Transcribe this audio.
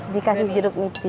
dikasih jeruk nipis